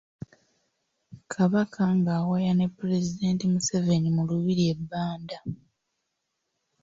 Kabaka ng'awaya ne pulezidenti Museveni mu lubiri e Banda.